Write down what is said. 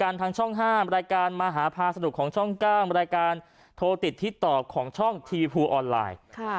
ทางช่อง๕รายการมหาพาสนุกของช่อง๙รายการโทรติดทิศต่อของช่องทีพูออนไลน์